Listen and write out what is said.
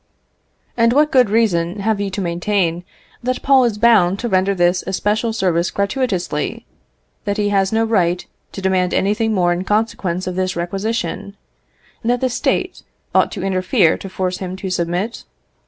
And what good reason have you to maintain that Paul is bound to render this especial service gratuitously; that he has no right to demand anything more in consequence of this requisition; that the State ought to interfere to force him to submit?